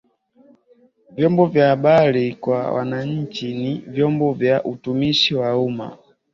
Vyombo vya habari kwa Wananchi ni Vyombo vya utumishi wa umma